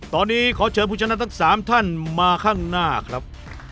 ตอนนี้ขอเชิญผู้ชนะทั้ง๓ท่านมาข้างหน้าครับ